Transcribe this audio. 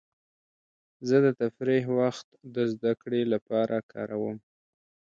زه د تفریح وخت د زدهکړې لپاره کاروم.